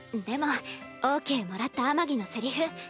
でもオーケーもらったアマギのセリフ